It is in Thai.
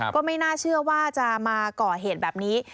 ก็ไม่น่าเชื่อว่าจะมาก่อเหตุแบบนี้